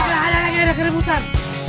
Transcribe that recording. tidak ada yang ada keributan